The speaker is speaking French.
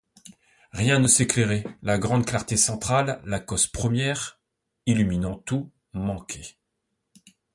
Rien ne s'éclairait, la grande clarté centrale, la cause première, illuminant tout, manquait.